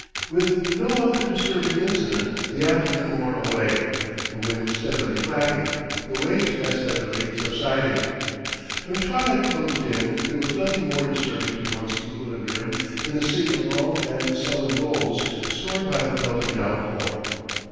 With no other disturbing incident the afternoon wore away, the wind steadily flagging, the waves as steadily subsiding. When twilight closed in there was nothing more disturbing to one's equilibrium than a sea of long and sullen rolls scored by the pelting downpour.